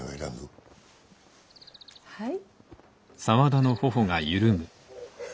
はい。